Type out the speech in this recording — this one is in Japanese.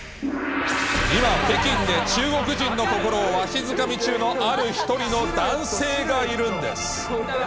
今、北京で中国人の心をわしづかみ中のある１人の男性がいるんです。